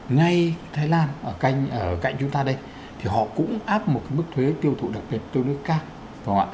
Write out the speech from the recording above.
ngay thái lan ở cạnh chúng ta đây thì họ cũng áp một cái mức thuế tiêu thụ đặc biệt tương đối cao ạ